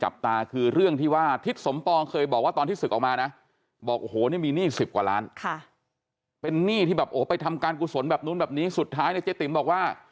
เป็นหนี้ที่แบบโอ๊ะไปทำการกุศลแบบนู้นแบบนี้สุดท้ายเนี่ยเจ๊ติ๋มบอกว่า